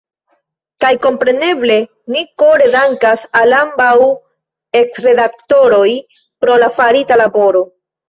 Kaj, kompreneble, ni kore dankas al ambaŭ eksredaktoroj pro la farita laboro.